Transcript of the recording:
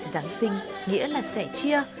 giáng sinh nghĩa là sẽ chia